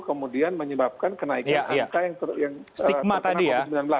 kemudian menyebabkan kenaikan angka yang terkena covid sembilan belas